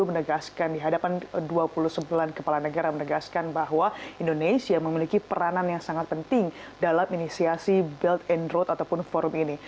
menegaskan di hadapan dua puluh sembilan kepala negara menegaskan bahwa indonesia memiliki peranan yang sangat penting dalam inisiasi belt and road ataupun forum ini